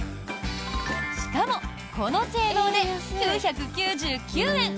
しかもこの性能で９９９円。